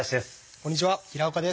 こんにちは平岡です。